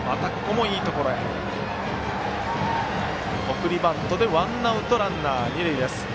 送りバントでワンアウトランナー、二塁です。